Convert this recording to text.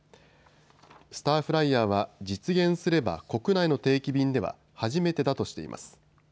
スターフライヤーは実現すれば国内の定期便では初めてだとしています。